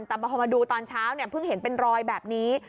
แต่พอมาดูตอนเช้าเนี่ยเพิ่งเห็นเป็นรอยแบบนี้